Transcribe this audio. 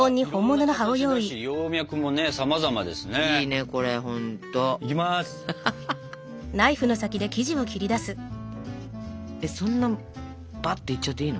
えっそんなバッといっちゃっていいの？